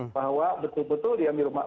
bahwa betul betul diam di rumah